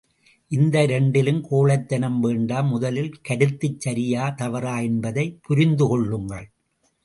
இந்த இரண்டிலும் கோழைத்தனம் வேண்டாம் முதலில் கருத்துச் சரியா தவறா என்பதைப் புரிந்து கொள்ளுங்கள்.